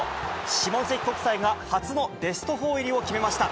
下関国際が初のベストフォー入りを決めました。